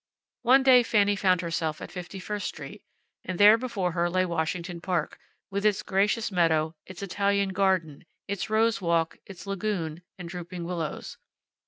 One day Fanny found herself at Fifty first street, and there before her lay Washington Park, with its gracious meadow, its Italian garden, its rose walk, its lagoon, and drooping willows.